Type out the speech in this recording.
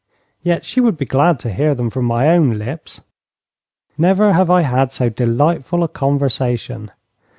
Yet she would be glad to hear them from my own lips. Never have I had so delightful a conversation.